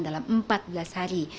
dalam empat belas hari